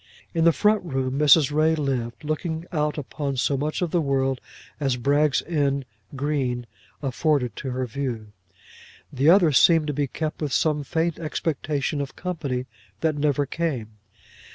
In the front room Mrs. Ray lived, looking out upon so much of the world as Bragg's End green afforded to her view. The other seemed to be kept with some faint expectation of company that never came.